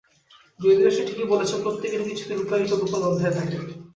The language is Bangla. যদিও সে ঠিকই বলেছে, প্রত্যেকেরই কিছু লুকায়িত গোপন অধ্যায় থাকে।